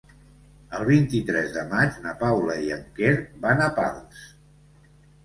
El vint-i-tres de maig na Paula i en Quer van a Pals.